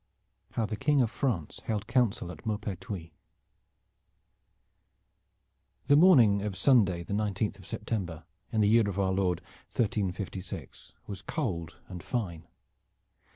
HOW THE KING OF FRANCE HELD COUNSEL AT MAUPERTUIS The morning of Sunday, the nineteenth of September, in the year of our Lord 1356, was cold and fine.